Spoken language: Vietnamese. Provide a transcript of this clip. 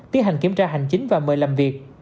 tiến hành kiểm tra hành chính và mời làm việc